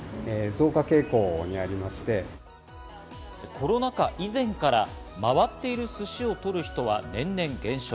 コロナ禍以前から、回っている寿司を取る人は年々減少。